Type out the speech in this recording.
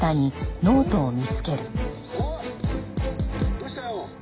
「どうしたよ？